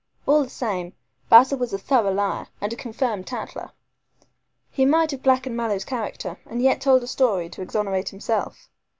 All the same, Basil was a thorough liar, and a confirmed tattler. He might have blackened Mallow's character, and yet have told a story to exonerate himself.